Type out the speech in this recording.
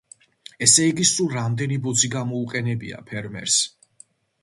ესე იგი, სულ რამდენი ბოძი გამოუყენებია ფერმერს?